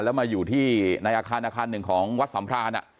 แล้วมาอยู่ที่ในอาคารอาคารหนึ่งของวัดสัมพราน